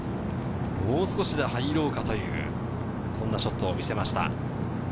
もう少し入ろうかというそんなショットを見せました。